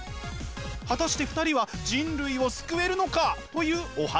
果たして２人は人類を救えるのか？というお話。